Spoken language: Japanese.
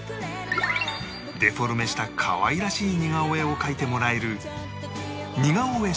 デフォルメした可愛らしい似顔絵を描いてもらえる上手。